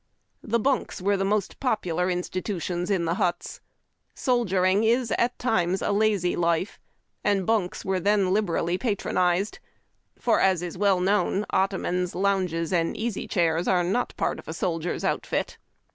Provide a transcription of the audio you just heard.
The bunks were the most popular institutions in the huts. Soldiering is at times a lazy life, and bunks were then lib erally patronized ; for, as is well known, ottomans, lounges, and easy chairs are not a part of a soldier's outfit.